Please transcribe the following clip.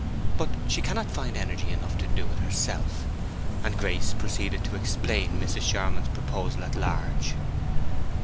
But she cannot find energy enough to do it herself." And Grace proceeded to explain Mrs. Charmond's proposal at large.